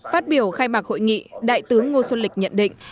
phát biểu khai mạc hội nghị đại tướng ngô xuân lịch nhận định